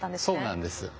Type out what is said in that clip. そうなんです。